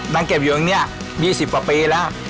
นั่งเก็บอยู่อย่างนี้๒๐ประปีแล้ว